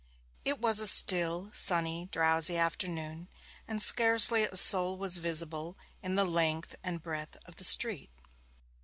It was a still, sunny, drowsy afternoon, and scarcely a soul was visible in the length and breadth of the street.